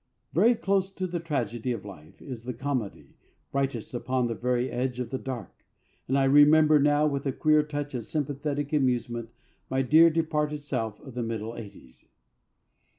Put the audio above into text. Very close to the tragedy of life is the comedy, brightest upon the very edge of the dark, and I remember now with a queer touch of sympathetic amusement my dear departed self of the middle eighties.